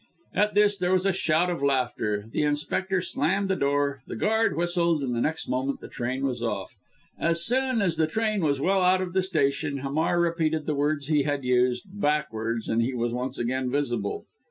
At this there was a shout of laughter, the inspector slammed the door, the guard whistled, and the next moment the train was off. As soon as the train was well out of the station Hamar repeated the words he had used, backwards, and he was once again visible.